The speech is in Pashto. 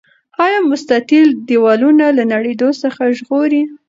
آیا مستطیل دیوالونه له نړیدو څخه ژغوري؟